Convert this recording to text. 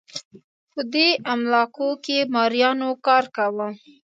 په دې املاکو کې مریانو کار کاوه.